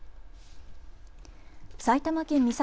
埼玉県美里